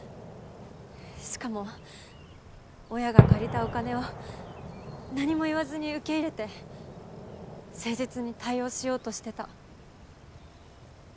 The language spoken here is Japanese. しかも親が借りたお金を何も言わずに受け入れて誠実に対応しようとしてた。